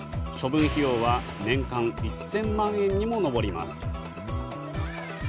処分費用は年間１０００万円にも上ります。